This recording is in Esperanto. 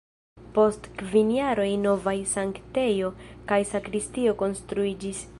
Post kvin jaroj novaj sanktejo kaj sakristio konstruiĝis.